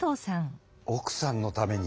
おくさんのために。